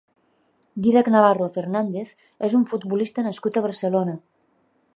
Dídac Navarro Fernández és un futbolista nascut a Barcelona.